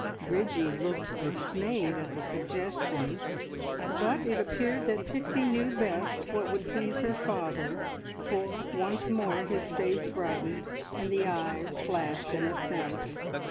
Bridgie looked dismayed at the suggestion, but it appeared that Pixie knew best what would please her father, for once more his face brightened, and the eyes flashed an assent.